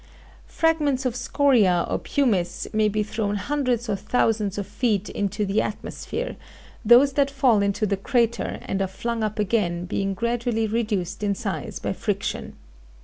Fragments of scoria or pumice may be thrown hundreds or thousands of feet into the atmosphere, those that fall into the crater and are flung up again being gradually reduced in size by friction.